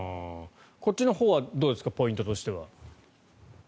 こっちのほうはどうですかポイントとしては。